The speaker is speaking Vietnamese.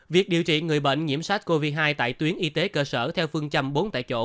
việc điều trị người bệnh nhiễm sars cov hai tại tuyến y tế cơ sở theo phương châm bốn tại chỗ